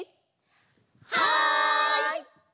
はい！